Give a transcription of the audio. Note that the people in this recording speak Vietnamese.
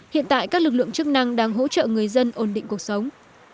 hiện tại các lực lượng chức năng đang hỗ trợ người dân ổn định cuộc sống